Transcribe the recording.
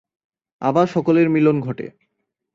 আবার সকলের মিলন ঘটে।